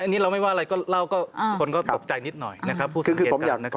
อันนี้เรามันไม่ว่าอะไรก็เล่าเขาคนก็ตกใจนิดหน่อยนะครับผู้สังเกตการณ์นะครับ